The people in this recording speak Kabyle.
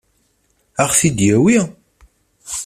Ad ɣ-t-id-yawi?